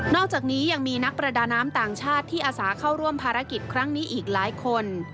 อกจากนี้ยังมีนักประดาน้ำต่างชาติที่อาสาเข้าร่วมภารกิจครั้งนี้อีกหลายคน